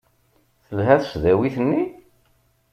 Telha tesdawit-nni?